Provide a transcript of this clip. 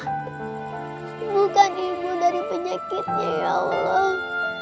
bukan ibu dari penyakitnya ya allah